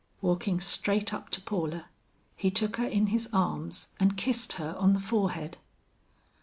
Walking straight up to Paula, he took her in his arms and kissed her on the forehead.